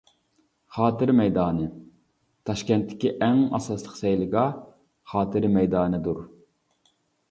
خاتىرە مەيدانى: تاشكەنتتىكى ئەڭ ئاساسلىق سەيلىگاھ «خاتىرە مەيدانى» دۇر.